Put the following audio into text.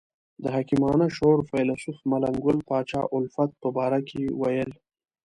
د حکیمانه شعور فیلسوف ملنګ ګل پاچا الفت په باره کې ویل.